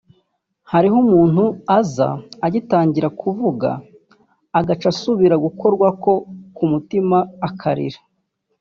hariho n'umuntu aza agitangura kuvuga agaca asubira gukorwako ku mutima akarira